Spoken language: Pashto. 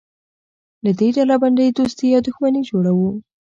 له دې ډلبندۍ دوستي یا دښمني جوړوو.